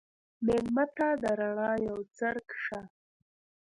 مېلمه ته د رڼا یو څرک شه.